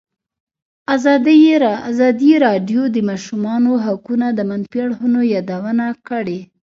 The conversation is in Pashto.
ازادي راډیو د د ماشومانو حقونه د منفي اړخونو یادونه کړې.